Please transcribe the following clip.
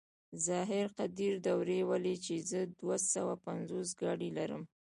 ظاهر قدير دوړې ولي چې زه دوه سوه پينځوس ګاډي لرم.